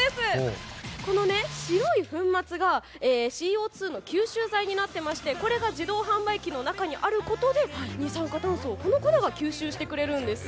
この白い粉末がＣＯ２の吸収材になっていましてこれが自動販売機の中にあることで二酸化炭素を吸収してくれるんです。